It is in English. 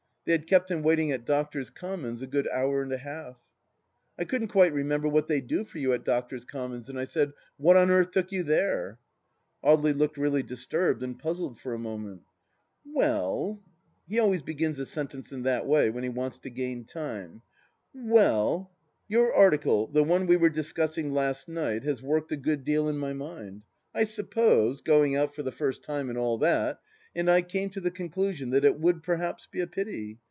They had kept him waiting at Doctors' Commons a good hour and a half. ... I couldn't quite remember what they do for you at Doctors' Commons, and I said, " What on earth took you there ?" Audely looked really disturbed and puzzled for a moment "Well ..."— he always begins a sentence in that way when he wants to gain time —" Well. ... Your article, the one we were discussing last night, has worked a good deal in my mind. ... I suppose ... going out for the first time and all that. ... And I came to the conclusion that it would perhaps be a pity